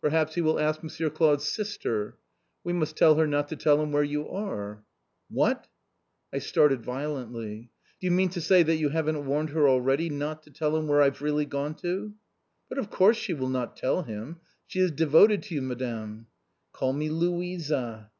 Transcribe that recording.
"Perhaps he will ask Monsieur Claude's sister?" "We must tell her not to tell him where you are." "What!" I started violently. "Do you mean to say that you haven't warned her already not to tell him where I've really gone to?" "But of course she will not tell him. She is devoted to you, Madame." "Call me Louisa."